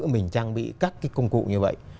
mình trang bị các công cụ như vậy